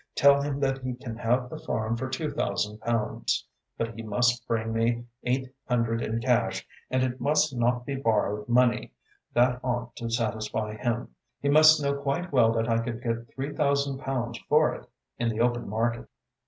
Tell him that he can have the farm for two thousand pounds, but he must bring me eight hundred in cash and it must not be borrowed money. That ought to satisfy him. He must know quite well that I could get three thousand pounds for it in the open market."